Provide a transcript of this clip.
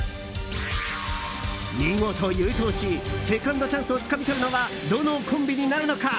見事優勝し、セカンドチャンスをつかみ取るのはどのコンビになるのか？